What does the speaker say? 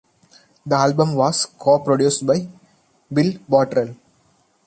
The album was co-produced by Bill Bottrell.